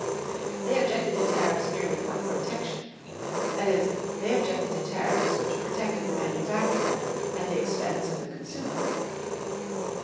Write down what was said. They objected to tariffs merely for "protection." That is, they objected to tariffs which "protected" the manufacturer at the expense of the consumer.